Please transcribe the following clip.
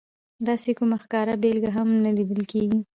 داسې کومه ښکاره بېلګه هم نه لیدل کېږي.